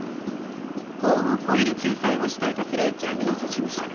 法を超える救済を死体とするジャニーズ事務所